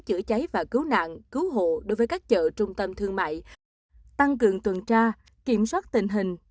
chữa cháy và cứu nạn cứu hộ đối với các chợ trung tâm thương mại tăng cường tuần tra kiểm soát tình hình